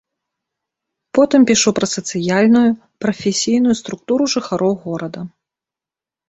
Потым пішу пра сацыяльную, прафесійную структуру жыхароў горада.